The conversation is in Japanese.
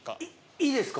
いいですか？